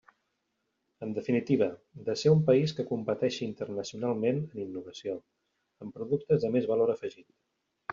En definitiva, de ser un país que competeixi internacionalment en innovació, amb productes de més valor afegit.